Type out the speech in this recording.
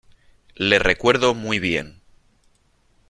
le recuerdo muy bien .